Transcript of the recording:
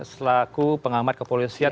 setelah aku pengamat kepolisian